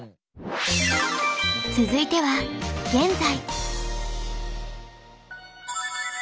続いては「現在」。